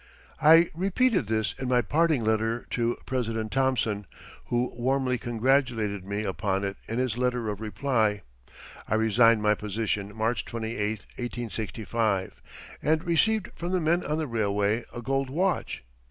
I repeated this in my parting letter to President Thomson, who warmly congratulated me upon it in his letter of reply. I resigned my position March 28, 1865, and received from the men on the railway a gold watch.